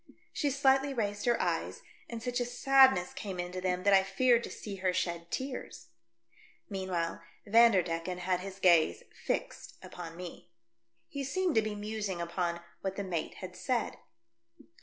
She slightly raised her eyes, and such a sadness came into them that I feared to see her shed tears. Meanwhile, Vanderdecken had his gaze fixed upon me. He seemed to be musing upon what the mate had said.